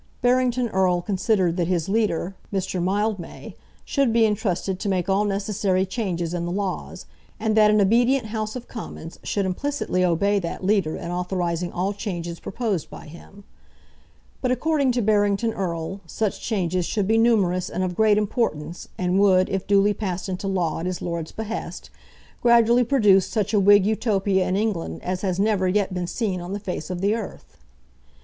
Barrington Erle considered that his leader, Mr. Mildmay, should be intrusted to make all necessary changes in the laws, and that an obedient House of Commons should implicitly obey that leader in authorising all changes proposed by him; but according to Barrington Erle, such changes should be numerous and of great importance, and would, if duly passed into law at his lord's behest, gradually produce such a Whig Utopia in England as has never yet been seen on the face of the earth.